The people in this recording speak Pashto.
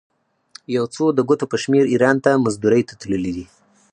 یو څو د ګوتو په شمېر ایران ته مزدورۍ ته تللي دي.